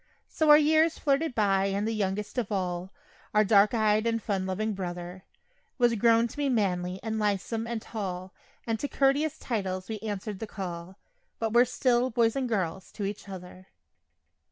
So our years flitted by and the youngest of all Our dark eyed and fun loving brother Was grown to be manly and lithesome and tall, And to couteous titles we answered the call, But were still "boys" and "girls" to each other.